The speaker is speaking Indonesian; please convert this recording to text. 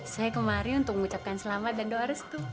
saya kemari untuk mengucapkan selamat dan doa restu